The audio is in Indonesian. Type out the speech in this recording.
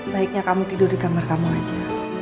baiknya kamu tidur di kamar kamu aja